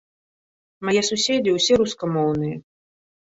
Мае суседзі ўсе рускамоўныя.